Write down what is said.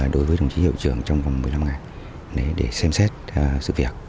đối với đồng chí hiệu trưởng trong vòng một mươi năm ngày để xem xét sự việc